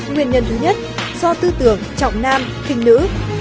nguyên nhân thứ nhất do tư tưởng trọng nam khinh nữ